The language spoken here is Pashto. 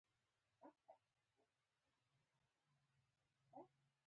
آزاد تجارت مهم دی ځکه چې قرضې ورکوي.